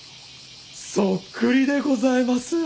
そっくりでございます！